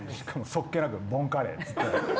そっけなく「ボンカレー」って。